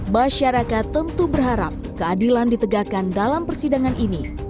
masyarakat tentu berharap keadilan ditegakkan dalam persidangan ini